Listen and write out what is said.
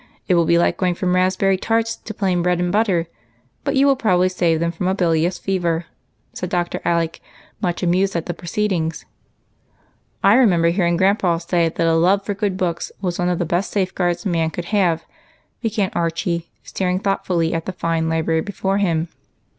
It will be like going from raspberry tarts to plain bread and butter; but you will probably save them from a bilious fever," said Dr. Alec, much amused at the proceedings. " I remember hearing grandpa say that a love for good books was one of the best safeguards a man could have," began Archie, staring thoughtfully at the fine library before him.